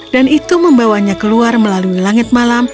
dan itu membawanya keluar melalui langit malam